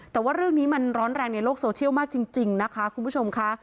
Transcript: แต่ว่าเรื่องนี้มันร้อนแรงในโลกโซเชียลมากจริงนะคะคุณผู้ชมค่ะ